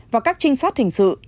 và các trinh sát hình sự